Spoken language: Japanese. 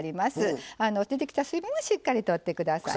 出てきた水分はしっかりとって下さい。